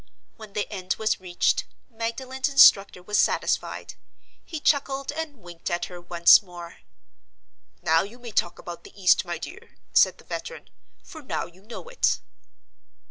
When the end was reached, Magdalen's instructor was satisfied. He chuckled and winked at her once more. "Now you may talk about the east, my dear," said the veteran, "for now you know it."